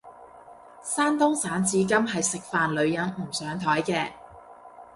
山東省至今係食飯女人唔上枱嘅